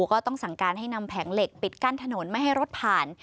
ก็ต้องสั่งการให้นำแผงเหล็กปิดกั้นถนนไม่ให้รถผ่าน